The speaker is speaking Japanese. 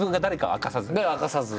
明かさず。